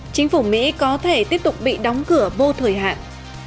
chính phủ mỹ có thể tiếp tục bị đóng cửa vô thời hạn